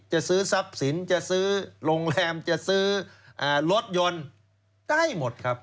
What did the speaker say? จะซื้อทรัพย์สินจะซื้อโรงแรมจะซื้อรถยนต์ได้หมดครับ